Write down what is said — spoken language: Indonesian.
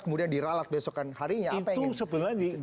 kemudian diralat besokan harinya apa yang sebenarnya